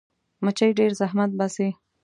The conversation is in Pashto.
مچمچۍ ډېر زحمت باسي